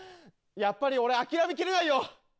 やっぱり俺諦めきれないよ。